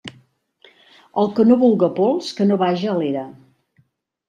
El que no vulga pols, que no vaja a l'era.